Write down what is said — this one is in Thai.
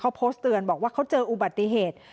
เขาโพสต์เตือนบอกว่าเขาเจออุบัติเหตุ